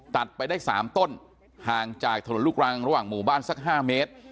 ตัดไปได้๓ต้นห่างจากถนนลูกรังระหว่างหมู่บ้านสัก๕เมตร